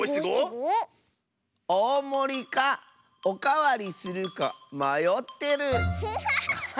「おおもりかおかわりするかまよってる」。